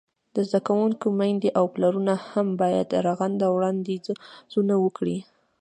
د زده کوونکو میندې او پلرونه هم باید رغنده وړاندیزونه وکړي.